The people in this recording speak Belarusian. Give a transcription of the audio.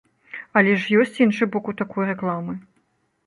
Але ж ёсць іншы бок у такой рэкламы.